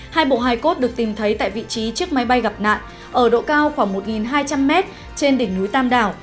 hai bộ hài cốt được tìm thấy tại vị trí chiếc máy bay gặp nạn ở độ cao khoảng một hai trăm linh m trên đỉnh núi tam đảo